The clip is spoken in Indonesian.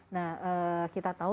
nah kita tahu